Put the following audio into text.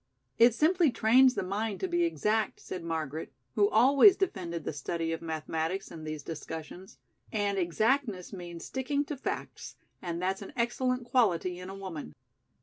"It simply trains the mind to be exact," said Margaret, who always defended the study of mathematics in these discussions. "And exactness means sticking to facts, and that's an excellent quality in a woman."